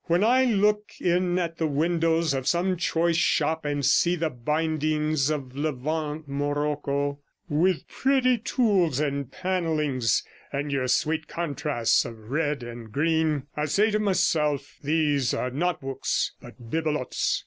When I look in at the windows of some choice shop, and see the bindings of levant morocco, with pretty tools and panellings, and your sweet contrasts of red and green, I say to myself, "These are not books, but bibelots".